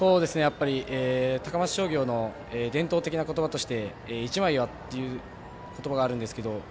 高松商業の伝統的な言葉として一枚岩という言葉があるんですけど。